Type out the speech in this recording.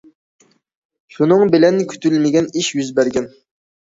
شۇنىڭ بىلەن كۈتۈلمىگەن ئىش يۈز بەرگەن.